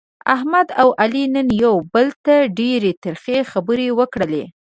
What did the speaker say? احمد او علي نن یو بل ته ډېرې ترخې خبرې وکړلې.